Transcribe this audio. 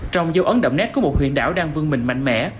trong dấu ấn đậm nét của một huyện đảo đang vương mình mạnh mẽ